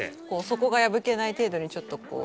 底が破けない程度にちょっとこう。